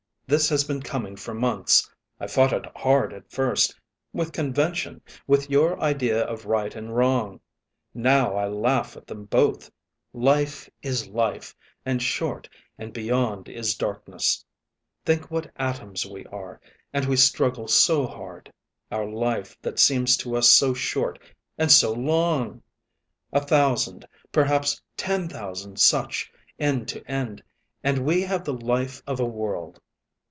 This has been coming for months. I fought it hard at first; with convention, with your idea of right and wrong. Now I laugh at them both. Life is life, and short, and beyond is darkness. Think what atoms we are; and we struggle so hard. Our life that seems to us so short and so long! A thousand, perhaps ten thousand such, end to end, and we have the life of a world.